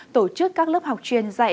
tổ chức các lớp học truyền dạy